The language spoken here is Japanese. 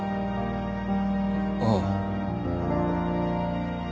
ああ。